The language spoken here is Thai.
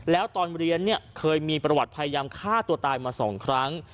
แล้วตอนเรียนเนี่ยเคยมีประวัติพยายามฆ่าตัวตายมา๒ครั้ง